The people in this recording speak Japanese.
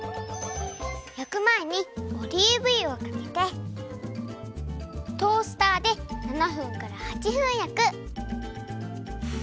やくまえにオリーブ油をかけてトースターで７ふんから８ふんやく。